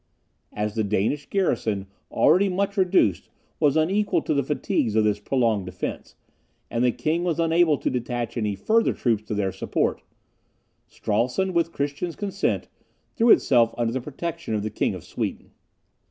As the Danish garrison, already much reduced, was unequal to the fatigues of this prolonged defence, and the king was unable to detach any further troops to their support, Stralsund, with Christian's consent, threw itself under the protection of the King of Sweden.